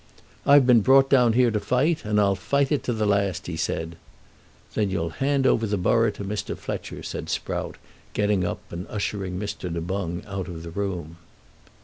"I've been brought down here to fight, and I'll fight it to the last," he said. "Then you'll hand over the borough to Mr. Fletcher," said Sprout, getting up and ushering Mr. Du Boung out of the room.